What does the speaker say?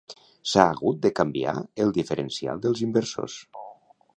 S'ha hagut de canviar el diferencial dels inversors